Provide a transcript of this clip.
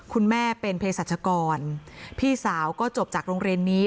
คุณแม่เป็นเพศรัชกรพี่สาวก็จบจากโรงเรียนนี้